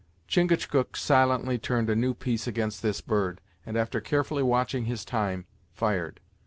Chingachgook silently turned a new piece against this bird, and after carefully watching his time, fired.